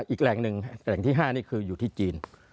อีกแหล่งหนึ่งแหล่งที่๕นี่คืออยู่ที่จีน